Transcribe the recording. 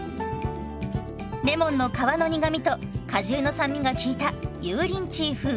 レモンの皮の苦みと果汁の酸味が効いた油淋鶏風。